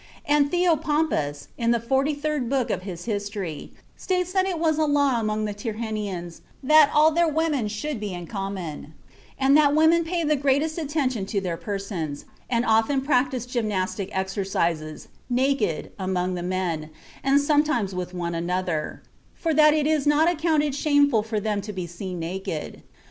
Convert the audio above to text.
And Theopompus, in the forty third book of his History, states that it is a law among the Tyrrhenians that all their women should be in common; and that the women pay the greatest attention to their persons, and often practice gymnastic exercises, naked, among the men, and sometimes with one another; for that it is not accounted shameful for them to be seen naked....